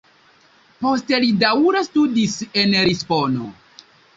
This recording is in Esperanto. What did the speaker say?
Poste li daŭre studis en Lisbono.